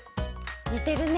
にてるね。